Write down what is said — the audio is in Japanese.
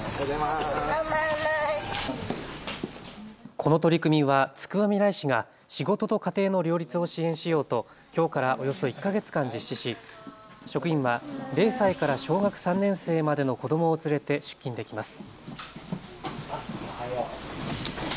この取り組みはつくばみらい市が仕事と家庭の両立を支援しようときょうからおよそ１か月間実施し職員は０歳から小学３年生までの子どもを連れて出勤できます。